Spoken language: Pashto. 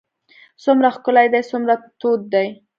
څومره ښکلی دی څومره تود دی.